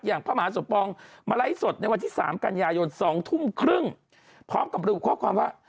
พระมหาสมปองมาไลฟ์สดในวันที่๓กันยายน๒ทุ่มครึ่งพร้อมกับระบุข้อความว่า